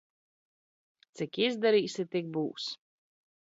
Cik izdar?si, tik b?s.